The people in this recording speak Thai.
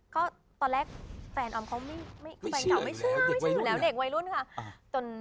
ก็ตอนแรกแฟนออมเขาแฟนเก่าไม่ใช่ฉันอยู่แล้วเด็กวัยรุ่นค่ะ